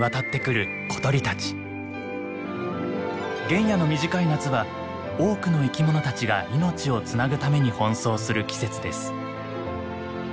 原野の短い夏は多くの生き物たちが命をつなぐために奔走する季節です。